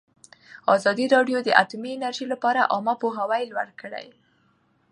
ازادي راډیو د اټومي انرژي لپاره عامه پوهاوي لوړ کړی.